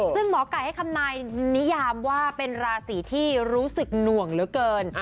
ซึ่งหมอไก่ให้คำนายนิยามว่าเป็นราศีที่รู้สึกหน่วงเหลือเกิน